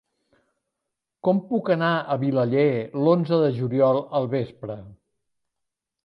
Com puc anar a Vilaller l'onze de juliol al vespre?